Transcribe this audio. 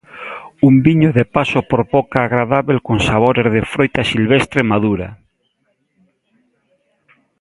Un viño de paso por boca agradábel con sabores de froita silvestre madura.